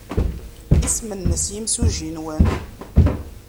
Isem-nnes yimsujji-nwen?